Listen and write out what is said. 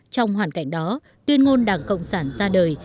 trong hoàn cảnh đó tuyên ngôn đảng cộng sản ra đời